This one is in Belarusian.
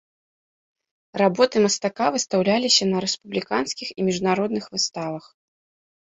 Работы мастака выстаўляліся на рэспубліканскіх і міжнародных выставах.